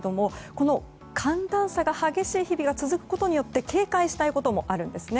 この寒暖差が激しい日々が続くことによって警戒したいこともあるんですね。